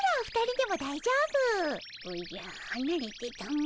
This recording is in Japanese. おじゃはなれてたも。